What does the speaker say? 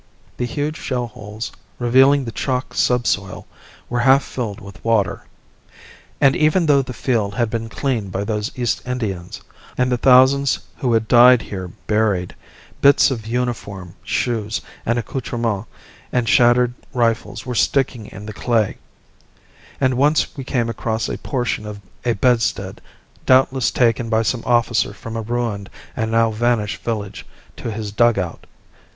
The huge shell holes, revealing the chalk subsoil, were half filled with water. And even though the field had been cleaned by those East Indians I had seen on the road, and the thousands who had died here buried, bits of uniform, shoes, and accoutrements and shattered rifles were sticking in the clay and once we came across a portion of a bedstead, doubtless taken by some officer from a ruined and now vanished village to his dugout.